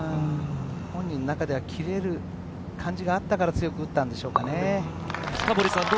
本人の中では切れる感じがあったから強く打ったのでしょうか。